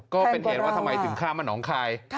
ก็เป็นเหตุว่าทำไมถึงข้ามมาหนองคาย